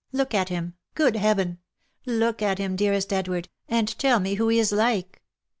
Look at him ! Good Heaven ! Look at him, dearest Edward, and tell me who he is like !"